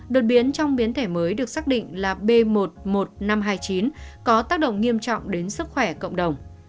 đột biến trong biến thể mới được xác định là b một mươi một nghìn năm trăm hai mươi chín có tác động nghiêm trọng đến sức khỏe cộng đồng